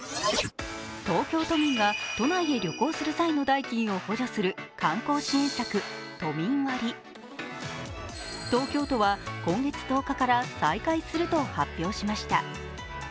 東京都民が都内へ旅行する際の代金を補助する観光支援策、都民割東京都は今月１０日から再開すると発表しました。